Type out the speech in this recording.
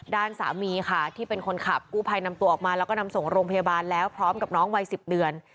ด้านสามีค่ะที่เป็นคนขับกู้ภัยนำตัวออกมาแล้วก็นำส่งโรงพยาบาลแล้วพร้อมกับน้องวัย๑๐เดือน